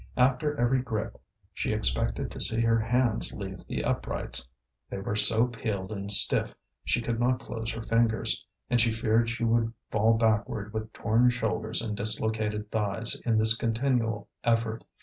After every grip she expected to see her hands leave the uprights; they were so peeled and stiff she could not close her fingers, and she feared she would fall backward with torn shoulders and dislocated thighs in this continual effort.